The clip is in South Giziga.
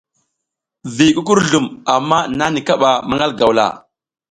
Vi kukurzlum amma nani kaɓa maƞgal gawla.